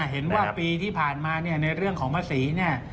เห็นว่าปีที่ผ่านมาในเรื่องของภาษี